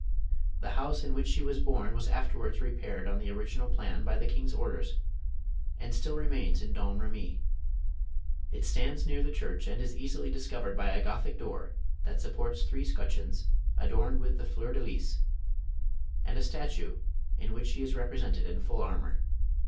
The house in which she was born was afterwards re paired on the original plan by the king's orders, and still remains in Dom Remy. "It stands near the church and is easily discovered by a Gothic door that supports three scutcheons adorned with the fleur de lys, and a statue, in which she is represented in full armor.